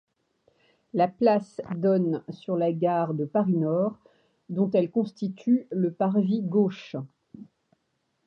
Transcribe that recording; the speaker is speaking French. La place donne sur la gare de Paris-Nord, dont elle constitue le parvis gauche.